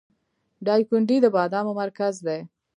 دایکنډي د بادامو مرکز دی